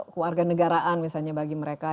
kewarganegaraan misalnya bagi mereka